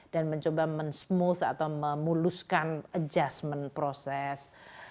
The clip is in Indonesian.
dan mencoba mensmooth atau memuluskan adjustment proses